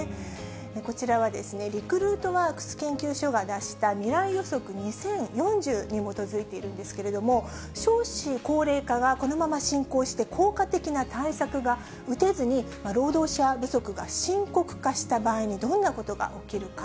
こちらはリクルートワークス研究所が出した未来予測２０４０に基づいているんですけれども、少子高齢化がこのまま進行して、効果的な対策が打てずに、労働者不足が深刻化した場合にどんなことが起きるか。